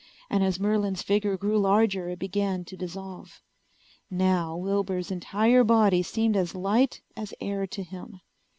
And as Merlin's figure grew larger it began to dissolve. Now Wilbur's entire body seemed as light as air to him.